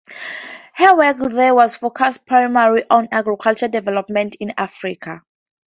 Her work there has focused primarily on agricultural development in Africa.